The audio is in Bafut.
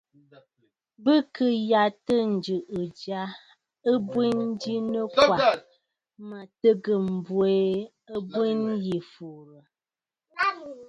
Bɨ kɨ̀ yàtə̂ ǹjɨ̀ʼɨ̀ ja ɨ̀bwèn ji nɨkwà, mə̀ tɨgə̀ m̀bwɛɛ abwen yî fùùrə̀.